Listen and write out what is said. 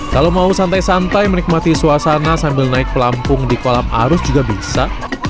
kalau mau santai santai menikmati suasana sambil naik pelampung di kolam arus juga bisa